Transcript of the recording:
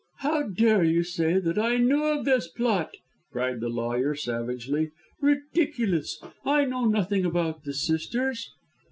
"How dare you say that I knew of this plot!" cried the lawyer, savagely. "Ridiculous! I know nothing about the sisters."